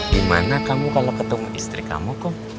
gimana kamu kalau ketemu istri kamu kok